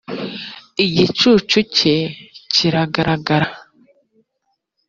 igicucu cye kiragaragara